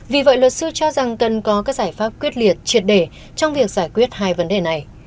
vì vậy luật sư cho rằng cần có các giải pháp quyết liệt triệt để trong việc giải quyết hai vấn đề này